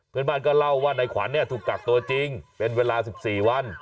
เพื่อนบ้านก็เล่าว่านายขวัญถูกกักตัวจริงเป็นเวลา๑๔วัน